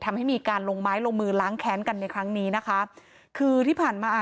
ทำให้มีการลงไม้ลงมือล้างแค้นกันในครั้งนี้นะคะคือที่ผ่านมาอ่า